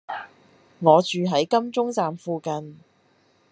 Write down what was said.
我住喺金鐘站附近